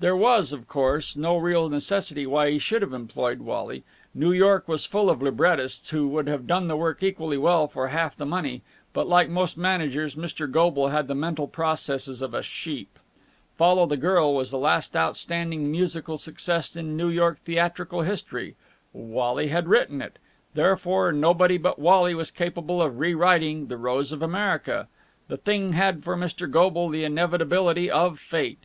There was, of course, no real necessity why he should have employed Wally. New York was full of librettists who would have done the work equally well for half the money, but, like most managers, Mr. Goble had the mental processes of a sheep. "Follow the Girl" was the last outstanding musical success in New York theatrical history: Wally had written it, therefore nobody but Wally was capable of re writing "The Rose of America." The thing had for Mr. Goble the inevitability of Fate.